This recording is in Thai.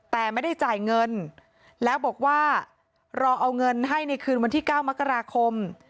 แต่ไม่ได้จ่ายเงินแล้วบอกว่ารอเอาเงินให้ในคืนวันที่๙มกราคม